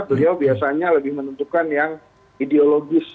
beliau biasanya lebih menentukan yang ideologis